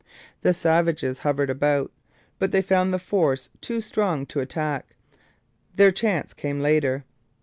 The savages hovered about, but they found the force too strong to attack. Their chance came later.